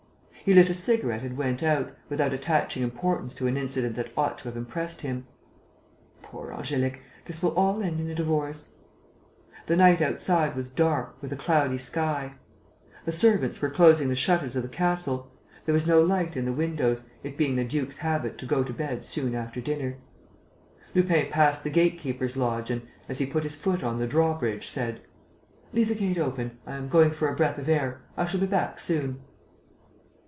He lit a cigarette and went out, without attaching importance to an incident that ought to have impressed him: "Poor Angélique! This will all end in a divorce...." The night outside was dark, with a cloudy sky. The servants were closing the shutters of the castle. There was no light in the windows, it being the duke's habit to go to bed soon after dinner. Lupin passed the gate keeper's lodge and, as he put his foot on the drawbridge, said: "Leave the gate open. I am going for a breath of air; I shall be back soon."